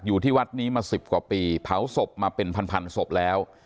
อยู่ที่วัดนี้มา๑๐กว่าปีเผาศพมาเป็นพันศพแล้ว